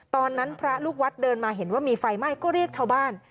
พระลูกวัดเดินมาเห็นว่ามีไฟไหม้ก็เรียกชาวบ้าน